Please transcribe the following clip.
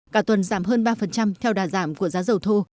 cả tuần giảm hơn ba theo đà giảm của giá dầu thô